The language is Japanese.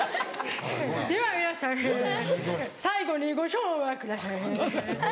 では皆さん最後にご唱和ください。